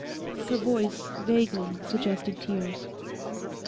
Her voice vaguely suggested tears.